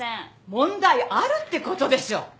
問題あるってことでしょ！